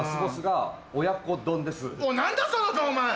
何だその丼お前。